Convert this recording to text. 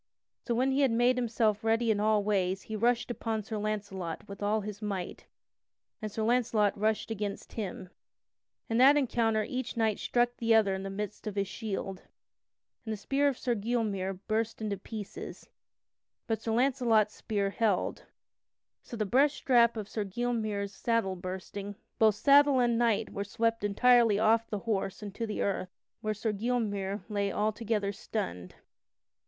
So when he had made himself ready in all ways he rushed upon Sir Launcelot with all his might and Sir Launcelot rushed against him. [Sidenote: Sir Launcelot overthrows Sir Gylmere] In that encounter each knight struck the other in the midst of his shield, and the spear of Sir Gylmere burst into pieces, but Sir Launcelot's spear held, so the breast strap of Sir Gylmere's saddle bursting, both saddle and knight were swept entirely off the horse and to the earth, where Sir Gylmere lay altogether stunned.